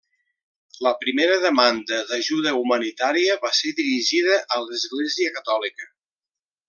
La primera demanda d'ajuda humanitària va ser dirigida a l'Església Catòlica.